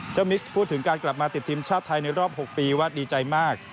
มิสพูดถึงการกลับมาติดทีมชาติไทยในรอบ๖ปีว่าดีใจมาก